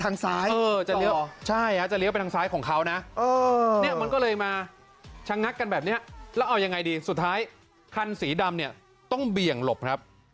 เนี่ยมันก็เลยมาชะงักกันแบบเนี้ยแล้วเอายังไงดีสุดท้ายคันสีดำเนี้ยต้องเบี่ยงหลบครับ